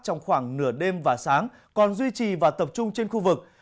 trong khoảng nửa đêm và sáng còn duy trì và tập trung trên khu vực